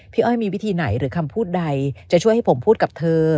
อ้อยมีวิธีไหนหรือคำพูดใดจะช่วยให้ผมพูดกับเธอ